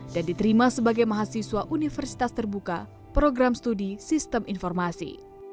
dan diterima sebagai mahasiswa universitas terbuka program studi sistem informasi